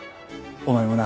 お前もな。